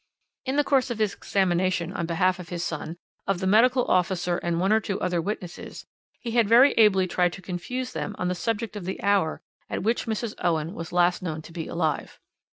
In the course of his examination on behalf of his son, of the medical officer and one or two other witnesses, he had very ably tried to confuse them on the subject of the hour at which Mrs. Owen was last known to be alive.